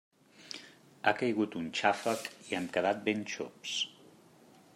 Ha caigut un xàfec i hem quedat ben xops!